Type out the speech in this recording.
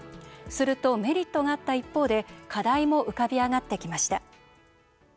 すると、メリットがあった一方で課題も浮かび上がってきました。